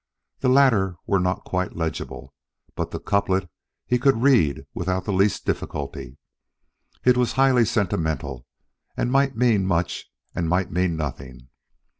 The latter were not quite legible, but the couplet he could read without the least difficulty. It was highly sentimental, and might mean much and might mean nothing.